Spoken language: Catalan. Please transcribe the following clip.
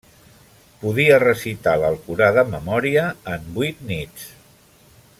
Podia recitar l'alcorà de memòria en vuit nits.